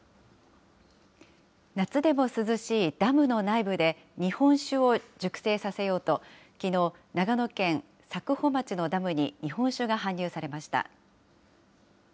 夏でも涼しいダムの内部で、日本酒を熟成させようと、きのう、長野県佐久穂町のダムに日本酒が搬入されました。